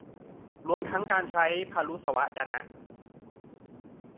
รวมทั้งการใช้พรุสวาจน